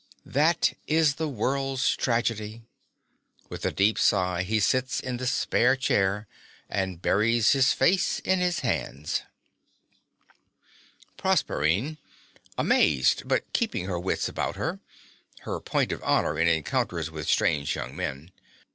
That is the world's tragedy. (With a deep sigh he sits in the spare chair and buries his face in his hands.) PROSERPINE (amazed, but keeping her wits about her her point of honor in encounters with strange young men).